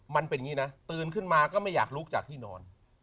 มันเป็นอย่างนี้นะตื่นขึ้นมาก็ไม่อยากลุกจากที่นอน